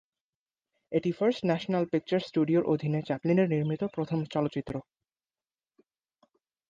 এটি First National Pictures স্টুডিওর অধীনে চ্যাপলিনের নির্মিত প্রথম চলচ্চিত্র।